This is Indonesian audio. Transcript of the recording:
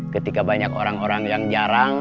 ketika banyak orang orang yang jarang